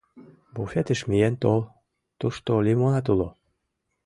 — Буфетыш миен тол, тушто лимонад уло!